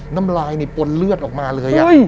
น้ำลายนี่ปนเลือดออกมาเลย